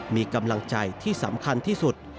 มีกำลังใจที่สำคัญที่สุด